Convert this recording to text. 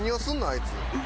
あいつ。